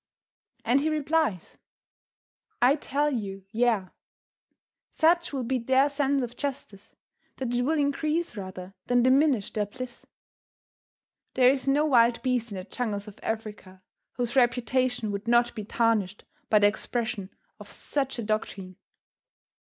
And he replies: "I tell you, yea. Such will be their sense of justice, that it will increase rather than diminish their bliss." There is no wild beast in the jungles of Africa whose reputation would not be tarnished by the expression of such a doctrine.